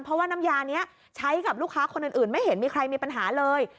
เพราะว่าน้ำยานี้ใช้กับลูกค้าคนอื่นไม่เห็นมีใครมีปัญหาเลย